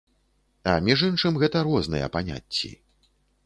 А між іншым, гэта розныя паняцці.